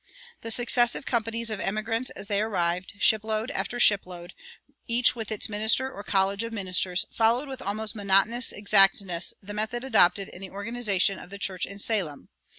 The successive companies of emigrants as they arrived, ship load after ship load, each with its minister or college of ministers, followed with almost monotonous exactness the method adopted in the organization of the church in Salem.